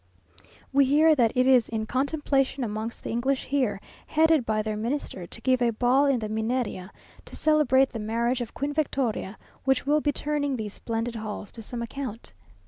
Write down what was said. We hear that it is in contemplation amongst the English here, headed by their Minister, to give a ball in the Mineria, to celebrate the Marriage of Queen Victoria, which will be turning these splendid halls to some account.